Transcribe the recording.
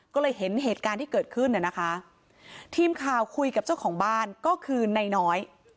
ก็เลยเห็นเหตุการณ์ที่เกิดขึ้นน่ะนะคะทีมข่าวคุยกับเจ้าของบ้านก็คือนายน้อย